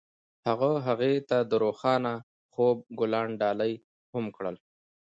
هغه هغې ته د روښانه خوب ګلان ډالۍ هم کړل.